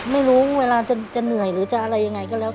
ไม่รู้เวลาจะเหนื่อยหรือจะอะไรยังไงก็แล้ว